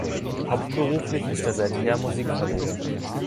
Hauptberuflich ist er seither Musikverleger.